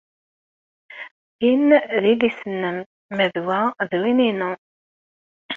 Win d idis-nnem, ma d wa d win-inu.